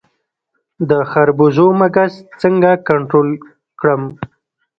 د خربوزو مګس څنګه کنټرول کړم؟